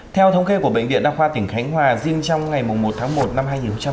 theo của bệnh viện đa khoa tỉnh khánh hòa riêng trong ngày một tháng một năm hai nghìn một mươi sáu